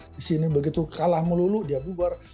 disini begitu kalah melulu dia bubar